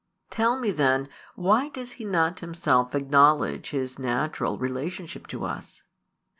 Tell me then, why does He not Himself acknowledge His natural relationship to us?